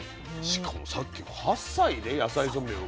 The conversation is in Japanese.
しかもさっき８歳で野菜ソムリエを。